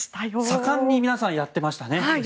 盛んに皆さんやってましたね。